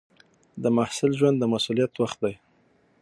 د محصل ژوند د مسؤلیت وخت دی.